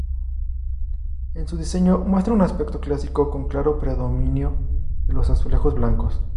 En su diseño muestra un aspecto clásico, con claro predominio de los azulejos blancos.